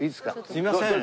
すみません。